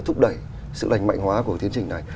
thúc đẩy sự lành mạnh hóa của tiến trình này